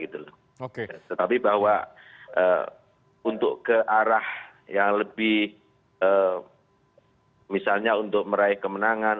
tetapi bahwa untuk ke arah yang lebih misalnya untuk meraih kemenangan